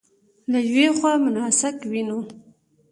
له یوې خوا مناسک وینو.